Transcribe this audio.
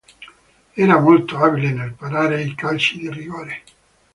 Era molto abile nel parare i calci di rigore.